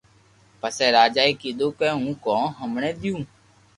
پسي راجا اي ڪيدو ڪو ھون ھمڙي ديو